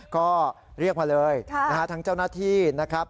ก็เรียกมาเลยทั้งเจ้าหน้าที่นะครับ